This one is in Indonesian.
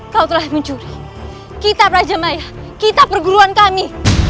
kau telah mencuri kitab raja maya kitab perguruan kami